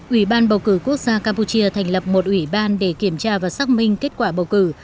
ủy ban bầu cử quốc gia campuchia thành lập một ủy ban để kiểm tra và xác minh kết quả bầu cử